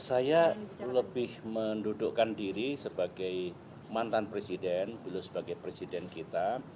saya lebih mendudukkan diri sebagai mantan presiden beliau sebagai presiden kita